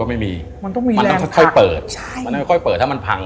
มันค่อยเปิด